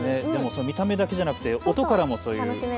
見た目だけじゃなくて音からも春の訪れ。